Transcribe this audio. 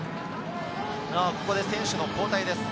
ここで選手の交代です。